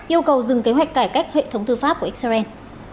yêu cầu dừng kế hoạch cải cách hệ thống tư pháp của israel